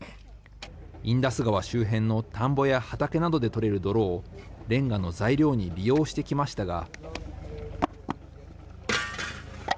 インダス川周辺の田んぼや畑などで取れる泥をれんがの材料に利用してきましたが。